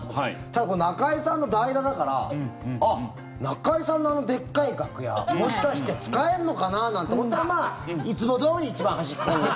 ただ、中居さんの代打だからあっ、中居さんのあのでっかい楽屋もしかして使えんのかな？なんて思ったらまあ、いつもどおり一番端っこに。